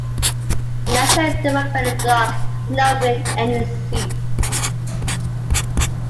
The National Democratic Block did not win any seats.